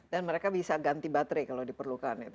dan mereka bisa ganti baterai kalau diperlukan